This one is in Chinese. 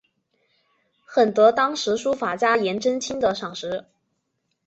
很得当时书法家颜真卿的赏识。